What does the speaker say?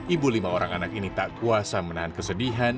ibu lima orang anak ini tak kuasa menahan kesedihan